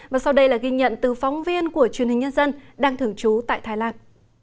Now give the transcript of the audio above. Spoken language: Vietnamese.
và sau đây là ghi nhận từ phóng viên của truyền hình nhân dân đang thưởng trú tại thái lan